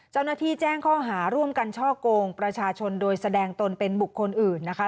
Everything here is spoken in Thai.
เจ้าหน้าที่แจ้งข้อหาร่วมกันช่อกงประชาชนโดยแสดงตนเป็นบุคคลอื่นนะคะ